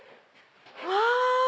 うわ！